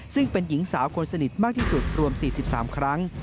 ซึ่งเป็นหญิงสาวคนสนิทมากที่สุดรวม๔๓ครั้ง